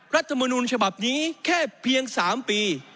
รัฐมนุนฉบับนี้แค่เพียง๓ปี